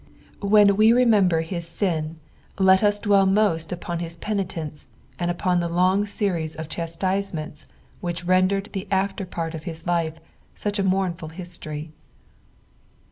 H'Aen iw remember his sin. Id us dieeU most upon his penitence, and upon Ihe long series ef chastisements tnkich rendered the after pari of his life s\ieh a mournful history.